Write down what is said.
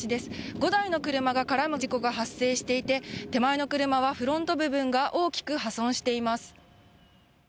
５台の車が絡む事故が発生していて手前の車はフロント部分が大きく破損しています。